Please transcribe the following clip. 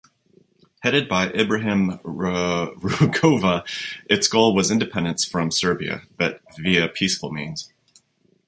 Headed by Ibrahim Rugova, its goal was independence from Serbia, but via peaceful means.